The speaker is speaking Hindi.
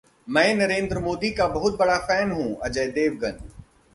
मैं नरेंद्र मोदी का बहुत बड़ा फैन हूं: अजय देवगन